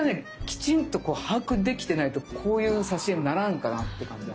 きちんとこう把握できてないとこういう挿絵にならんかなって感じがする。